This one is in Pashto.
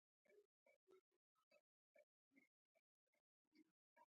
د ښځې ولور پوره کولو، د ژندې ساتلو ته اړ کړم.